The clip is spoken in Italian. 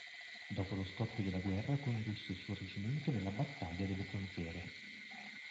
Dopo lo scoppio della guerra condusse il suo reggimento nella battaglia delle Frontiere.